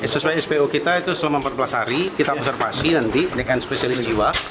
sesuai spo kita itu selama empat belas hari kita observasi nanti dengan spesialis jiwa